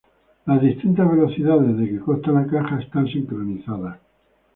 Las distintas velocidades de que consta la caja están sincronizadas.